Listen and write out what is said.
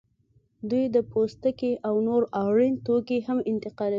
دوی د پوستکي او نور اړین توکي هم انتقالوي